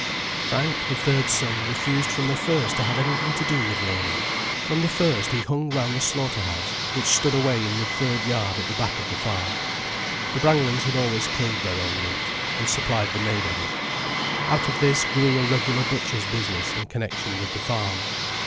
Frank, the third son, refused from the first to have anything to do with learning. From the first he hung round the slaughter house which stood away in the third yard at the back of the farm. The Brangwens had always killed their own meat, and supplied the neighbourhood. Out of this grew a regular butcher's business in connection with the farm.